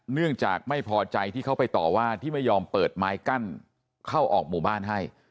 เนื่องจากไม่พอใจที่เขาไปต่อว่าที่ไม่ยอมเปิดไม้กั้นเข้าออกหมู่บ้านให้